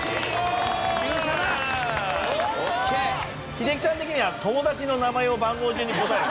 英樹さん的には友達の名前を番号順に答える。